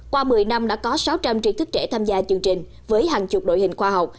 qua một mươi năm đã có sáu trăm linh trí thức trẻ tham gia chương trình với hàng chục đội hình khoa học